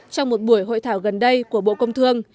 trong một buổi hội thảo gần đây của bộ công thương